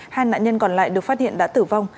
hai nạn nhân còn lại được phát hiện đã tử vong